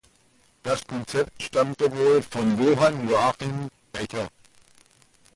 Das Konzept stammte wohl von Johann Joachim Becher.